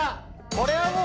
これはもう。